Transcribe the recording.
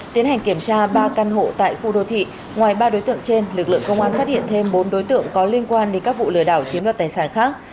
tiến hành kiểm tra ba căn hộ tại khu đô thị ngoài ba đối tượng trên lực lượng công an phát hiện thêm bốn đối tượng có liên quan đến các vụ lừa đảo chiếm đoạt tài sản khác